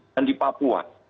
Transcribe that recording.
dan di papua